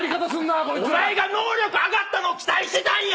お前が能力上がったのを期待してたんや！